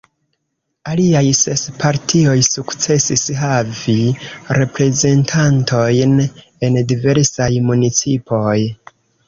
Aliaj ses partioj sukcesis havi reprezentantojn en diversaj municipoj.